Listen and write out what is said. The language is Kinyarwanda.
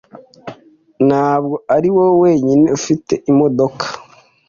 Ntabwo ari wowe wenyine ufite imodoka.